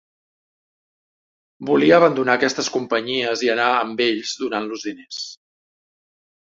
Volia abandonar aquestes companyies i anar amb ells donant-los diners